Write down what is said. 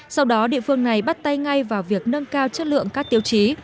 sau đó địa phương này bắt tay ngay vào việc nâng cao chất lượng các tiêu chí